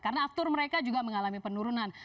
karena aftur mereka juga mengalami penurunan